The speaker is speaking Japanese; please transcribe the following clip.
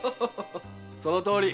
そのとおり。